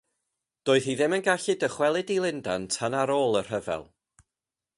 Doedd hi ddim yn gallu dychwelyd i Lundain tan ar ôl y rhyfel.